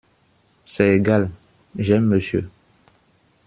C’est égal ; j’aime Monsieur…